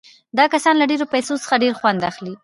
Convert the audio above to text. دا کسان له ډېرو پیسو څخه ډېر خوند اخلي